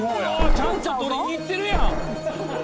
ちゃんと撮りに行ってるやん。